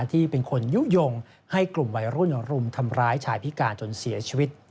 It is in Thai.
ที่เป็นคนยุโยงให้กลุ่มวัยรุ่นรุมทำร้ายชายพิการจนเสียชีวิต